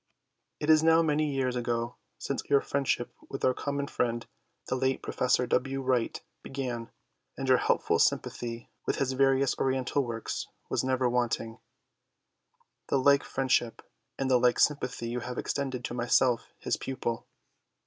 It is now many years ago since your friendship with our common friend the late Prof. W. Wright began, and your helpful sym pathy with his various Oriental works was never want ing ; the like friendship and the like sympathy you have extended to myself his pupil.